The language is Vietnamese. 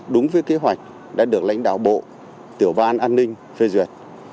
đúng với kế hoạch đã được lãnh đạo bộ tiểu ban an ninh phê duyệt